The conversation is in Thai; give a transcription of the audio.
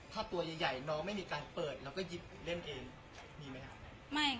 ถ้าตัวใหญ่น้องไม่มีการเปิดแล้วก็หยิบเล่นเองมีไหมครับ